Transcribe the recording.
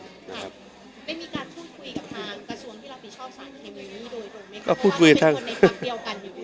ไม่มีการพูดคุยกับภาคกระทรวงที่รับผิดชอบสาธารณ์ในนี้๙๑๐๐โดยตรงมีแล้ว